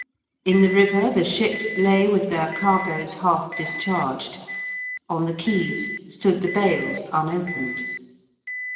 In the river the ships lay with their cargoes half discharged: on the quays stood the bales, unopened.